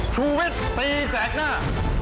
ชุวิตตีแสงหน้า